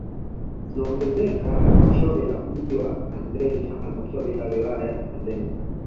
Zinaongezeka halmashauri ya mji wa Handeni na halmashauri ya wilaya ya Handeni